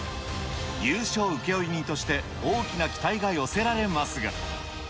優勝請負人として、大きな期待が寄せられますが。